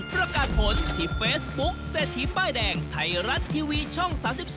ประกาศผลที่เฟซบุ๊คเศรษฐีป้ายแดงไทยรัฐทีวีช่อง๓๒